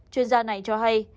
chuyên gia này cho hay